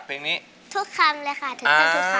เอาล่ะค่ะ